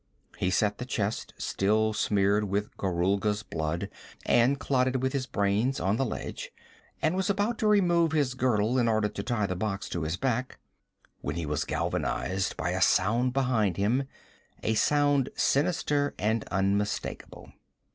He set the chest, still smeared with Gorulga's blood and clotted with his brains, on the ledge, and was about to remove his girdle in order to tie the box to his back, when he was galvanized by a sound behind him, a sound sinister and unmistakable.